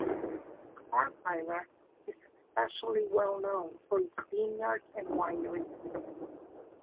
Ahrweiler is especially well known for its vinyards and wineries.